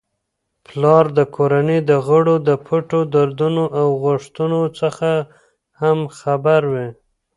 پلار د کورنی د غړو د پټو دردونو او غوښتنو څخه هم خبر وي.